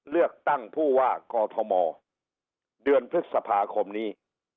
เลือกตั้งผู้ว่ากอทมเดือนพฤษภาคมนี้